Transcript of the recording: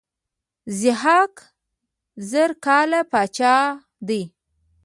ضحاک زر کاله پاچا دی.